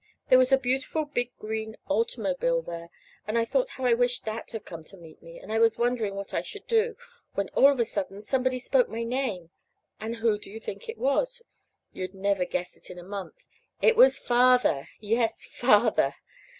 There was a beautiful big green automobile there, and I thought how I wished that had come to meet me; and I was just wondering what I should do, when all of a sudden somebody spoke my name. And who do you think it was? You'd never guess it in a month. It was Father. Yes, FATHER!